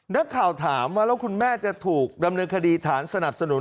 นักข่าวถามว่าแล้วคุณแม่จะถูกดำเนินคดีฐานสนับสนุน